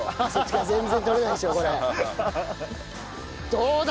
どうだ！